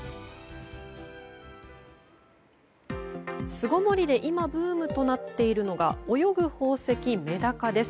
巣ごもりで今ブームとなっているのが泳ぐ宝石、メダカです。